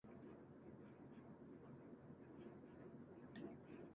見つけた日と同じように駐車場まで来て、秘密基地に忍び込んだ。何日も過ごした。